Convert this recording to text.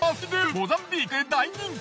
モザンビークで大人気。